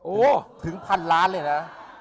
โอ้โหถึงพันล้านเลยนะ